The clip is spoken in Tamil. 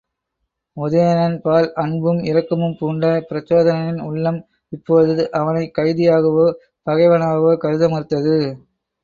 உதயணன் பால் அன்பும் இரக்கமும் பூண்ட பிரச்சோதனனின் உள்ளம், இப்போது அவனைக் கைதியாகவோ பகைவனாகவோ கருத மறுத்தது.